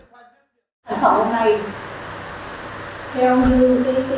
sản phẩm hôm nay theo như cái đề sử dụng của xã